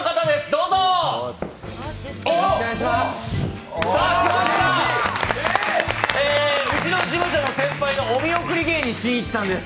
うちの事務所の先輩のお見送り芸人しんいちさんです。